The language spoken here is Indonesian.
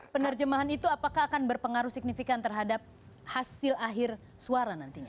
penerjemahan itu apakah akan berpengaruh signifikan terhadap hasil akhir suara nantinya